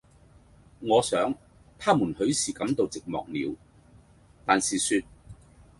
我想，他們許是感到寂寞了，但是說：